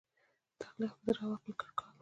تخلیق د زړه او عقل ګډ کار دی.